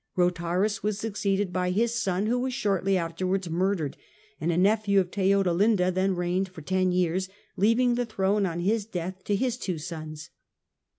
Rotharis was succeeded by his son, who vas shortly afterwards murdered, and a nephew of Theodelinda then reigned for ten years, leaving the hrone, on his death, to his two sons.